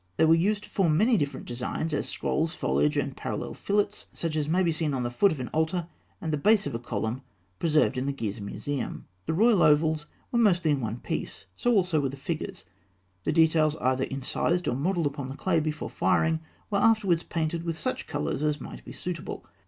They were used to form many different designs, as scrolls, foliage, and parallel fillets, such as may be seen on the foot of an altar and the base of a column preserved in the Gizeh Museum. The royal ovals were mostly in one piece; so also were the figures. The details, either incised or modelled upon the clay before firing, were afterwards painted with such colours as might be suitable.